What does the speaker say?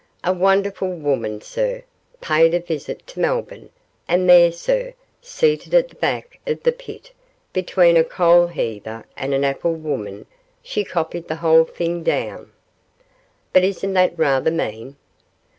'A wonderful woman, sir; paid a visit to Melbourne, and there, sir, seated at the back of the pit between a coal heaver and an apple woman, she copied the whole thing down.' 'But isn't that rather mean?